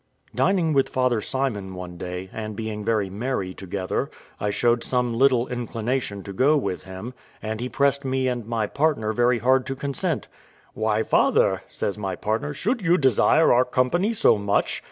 Dining with Father Simon one day, and being very merry together, I showed some little inclination to go with him; and he pressed me and my partner very hard to consent. "Why, father," says my partner, "should you desire our company so much?